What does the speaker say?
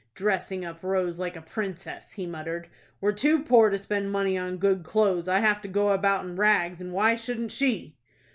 "Dressing up Rose like a princess!" he muttered. "We're too poor to spend money on good clothes I have to go about in rags, and why shouldn't she?"